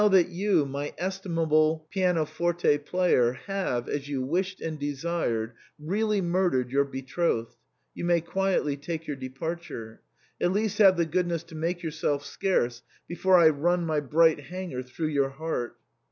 29 that you, my estimable pianoforte player, have, as you wished and desired, really murdered your betrothed, you may quietly take your departure ; at least have the goodness to make yourself scarce before I run my bright hanger through your heart.